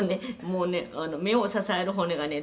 もうね目を支える骨がね